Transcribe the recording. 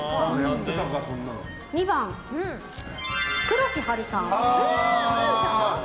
２番、黒木華さん。